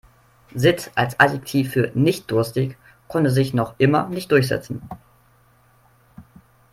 Sitt als Adjektiv für nicht-durstig konnte sich noch immer nicht durchsetzen.